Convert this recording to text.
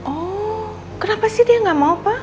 oh kenapa sih dia nggak mau pak